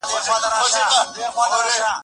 د ملنګ بابا اروا کړه را حضوره